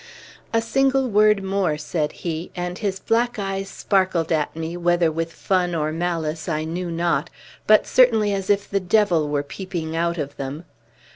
"A single word more," said he; and his black eyes sparkled at me, whether with fun or malice I knew not, but certainly as if the Devil were peeping out of them.